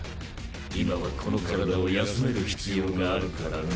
今はこの体を休める必要があるからね。